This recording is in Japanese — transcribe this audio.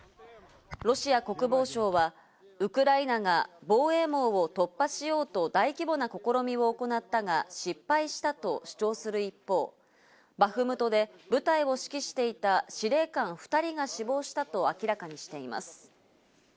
ロシア国防省はウクライナが防衛網の突破しようと大規模な試みを行ったが失敗したと主張する一方、バフムトで部隊を指揮していた司令官２人が死亡したと明らかにしています。